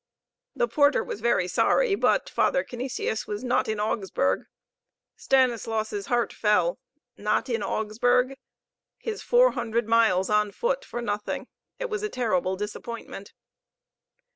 The porter was very sorry, but Father Canisius was not in Augsburg. Stanislaus' heart fell. Not in Augsburg! His four hundred miles on foot for nothing! It was a terrible disappointment.